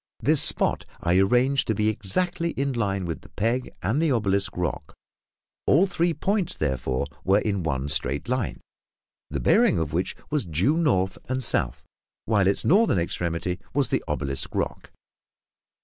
This spot I arranged to be exactly in line with the peg and the obelisk rock; all three points, therefore, were in one straight line, the bearing of which was due north and south, while its northern extremity was the obelisk rock.